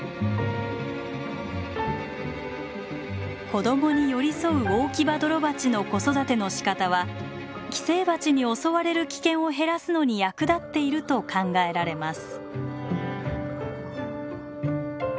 子供に寄り添うオオキバドロバチの子育てのしかたは寄生バチに襲われる危険を減らすのに役立っていると考えられます。